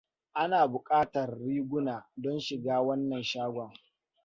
Ana buƙatar riguna don shiga wannan shagon.